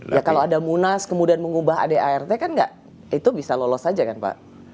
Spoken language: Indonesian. ya kalau ada munas kemudian mengubah adart kan enggak itu bisa lolos saja kan pak